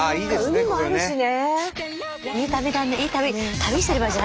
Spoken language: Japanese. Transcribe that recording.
海もあるしね。